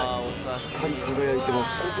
光り輝いてます